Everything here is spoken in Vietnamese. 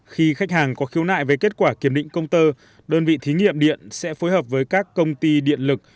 khi khách hàng có khiếu nại về kết quả kiểm định công tơ đơn vị thí nghiệm điện sẽ phối hợp với các công ty điện lực